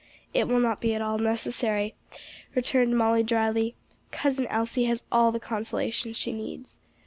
"It will not be at all necessary," returned Molly dryly. "Cousin Elsie has all the consolation she needs.